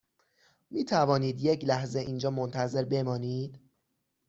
می توانید یک لحظه اینجا منتظر بمانید؟